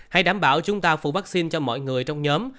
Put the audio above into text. hãy đảm bảo chúng ta phụ vaccine cho mọi người trong nhóm